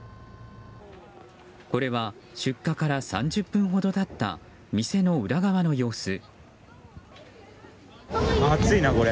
これは出火から３０分ほど経った店の裏側の様子。